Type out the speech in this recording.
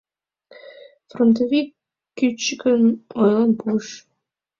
Фронтовик кӱчыкын ойлен пуыш.